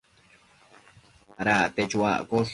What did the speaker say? Ada acte chuaccosh